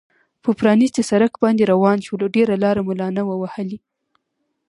پر پرانیستي سړک باندې روان شولو، ډېره لار مو لا نه وه وهلې.